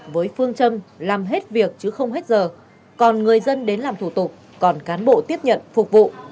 với phương châm làm hết việc chứ không hết giờ còn người dân đến làm thủ tục còn cán bộ tiếp nhận phục vụ